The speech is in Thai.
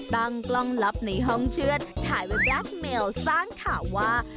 ตั้งกล้องลับในห้องเชื่อนถ่ายไว้แบ็คเมลสร้างข่าวว่า